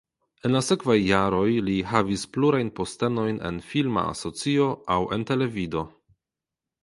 En la sekvaj jaroj li havis plurajn postenojn en filma asocio aŭ en televido.